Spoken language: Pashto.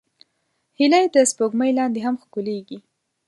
هیلۍ د سپوږمۍ لاندې هم ښکليږي